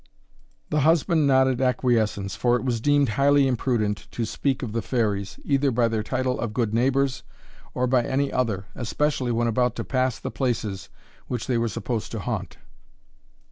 The husband nodded acquiescence; for it was deemed highly imprudent to speak of the fairies, either by their title of good neighbours or by any other, especially when about to pass the places which they were supposed to haunt.